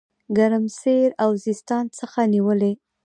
ګرمسېر او سیستان څخه نیولې.